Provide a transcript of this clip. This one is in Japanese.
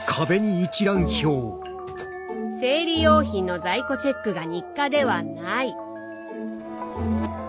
生理用品の在庫チェックが日課ではない。